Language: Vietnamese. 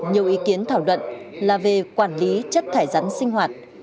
nhiều ý kiến thảo luận là về quản lý chất thải rắn sinh hoạt